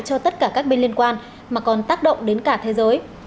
cho tất cả các bên liên quan mà còn tác động đến cả thế giới